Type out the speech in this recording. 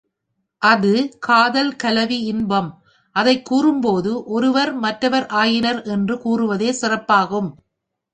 அது காதல் கலவி இன்பம் அதைக் கூறும்போது ஒருவர் மற்றவர் ஆயினர் என்று கூறுவதே சிறப்பாகும்.